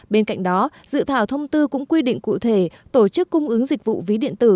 bên cạnh đó dự thảo thông tư cũng quy định cụ thể tổ chức cung ứng dịch vụ ví điện tử